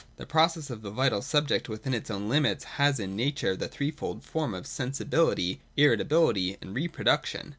The process of the vital subject within its own limits has in Nature the threefold form of Sensibilitj^, Irritability, and Reproduction.